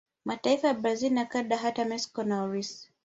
Mataifa ya Brazil na Canada hata Mexico na Urusi